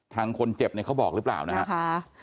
ทางคนเจ็บเนี่ยเขาบอกหรือเปล่านะครับ